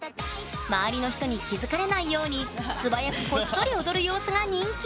周りの人に気付かれないように素早くこっそり踊る様子が人気！